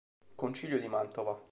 Concilio di Mantova